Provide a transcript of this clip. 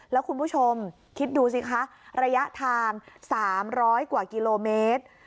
แล้วคุณผู้ชมคิดดูสิคะระยะทาง๓๐๐กว่ากิโลเมตร